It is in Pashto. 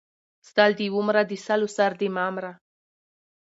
سل دې ومره د سلو سر دې مه مره!